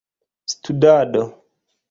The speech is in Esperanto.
studado